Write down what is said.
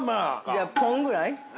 ◆じゃあ、ポンぐらい？